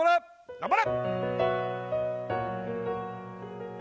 頑張れ！